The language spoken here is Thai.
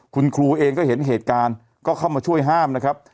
คุณครูเองก็เห็นเหตุการณ์ก็เข้ามาช่วยห้ามนะครับ